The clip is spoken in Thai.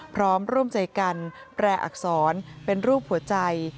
พร้อมร่วมใจกันแปรอักษรเป็นรูปหัวใจ